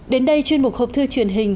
đến đây chuyên mục hộp thư truyền hình